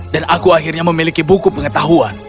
dan aku akhirnya memiliki buku pengetahuan